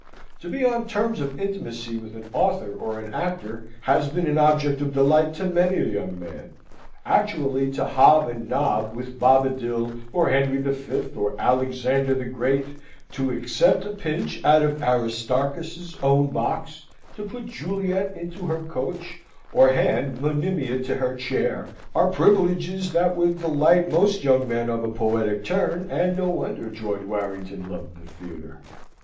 To be on terms of intimacy with an author or an actor has been an object of delight to many a young man; actually to hob and nob with Bobadil or Henry the Fifth or Alexander the Great, to accept a pinch out of Aristarchus's own box, to put Juliet into her coach, or hand Monimia to her chair, are privileges which would delight most young men of a poetic turn; and no wonder George Warrington loved the theatre.